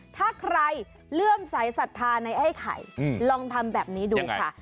ถ้าใครเลื่อมสายศรัทธาในไอ้ไข่ลองทำแบบนี้ดูค่ะ